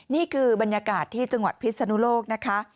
นี่คือบรรยากาศที่จังหวัดพิศนุโลกนะคะ